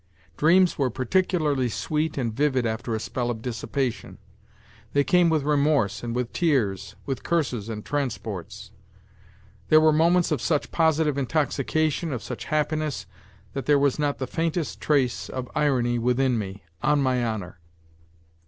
Dreams were particularly sweet and vivid after a spell of dissipation ; they came with remorse and with tears, with curses and trans ports. There were moments of such positive intoxication, of such happiness, that there was not the faintest trace of irony within me, on my honour.